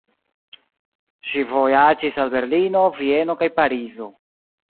Ŝi vojaĝis al Berlino, Vieno kaj Parizo.